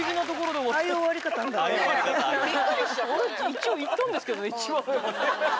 一応行ったんですけどね一番上まで。